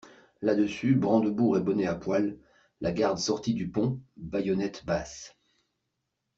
Là-dessus, brandebourgs et bonnets à poil, la garde sortit du pont, baïonnettes basses.